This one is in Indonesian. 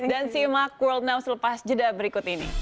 dan see you mak world now selepas jeda berikut ini